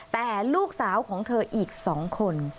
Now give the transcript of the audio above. แต่ลูกสาวของเธออีก๒คน